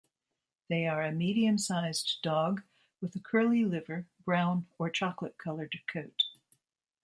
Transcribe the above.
They are a medium-sized dog, with a curly liver, brown, or chocolate colored coat.